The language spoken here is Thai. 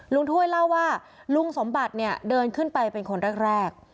ถ้วยเล่าว่าลุงสมบัติเนี่ยเดินขึ้นไปเป็นคนแรก